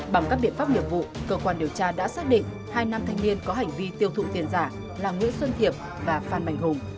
bằng các biện pháp nghiệp vụ cơ quan điều tra đã xác định hai nam thanh niên có hành vi tiêu thụ tiền giả là nguyễn xuân thiệp và phan bành hùng